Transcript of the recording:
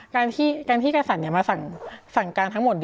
การที่กษันมาสั่งการทั้งหมด